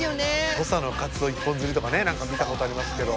土佐のカツオ一本釣りとかね何か見たことありますけど。